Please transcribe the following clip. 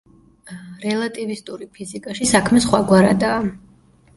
რელატივისტური ფიზიკაში საქმე სხვაგვარადაა.